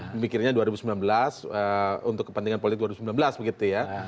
memikirnya dua ribu sembilan belas untuk kepentingan politik dua ribu sembilan belas begitu ya